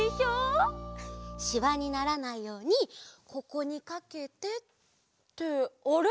しわにならないようにここにかけてってあれ？